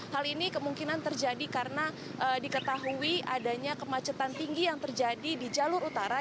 hal ini kemungkinan terjadi karena diketahui adanya kemacetan tinggi yang terjadi di jalur utara